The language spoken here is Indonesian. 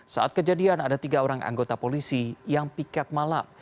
saat kejadian ada tiga orang anggota polisi yang piket malam